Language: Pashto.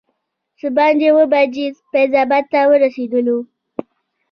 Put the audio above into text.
څه باندې اووه بجې فیض اباد ته ورسېدو.